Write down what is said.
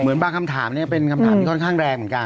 บางคำถามเนี่ยเป็นคำถามที่ค่อนข้างแรงเหมือนกัน